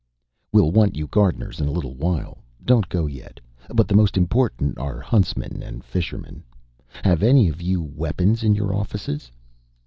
"We'll want you gardeners in a little while. Don't go yet. But the most important are huntsmen and fishermen. Have any of you weapons in your offices?"